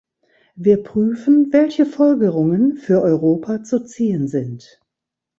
Wir prüfen, welche Folgerungen für Europa zu ziehen sind.